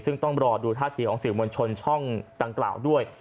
ซึ่งต้องรอดูท่าทีของสื่อมวลชนช่องดังกล่าวด้วย